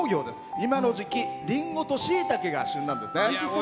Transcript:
今の時期リンゴとしいたけが旬なんですね。